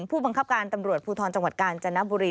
ผู้บังคับการตำรวจภูทรจังหวัดกาญจนบุรี